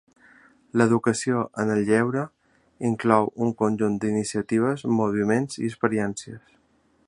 L'Educació en el lleure inclou un conjunt d'iniciatives, moviments i experiències.